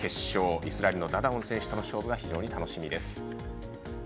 イスラエルのダダオン選手とのレースが非常に楽しみです。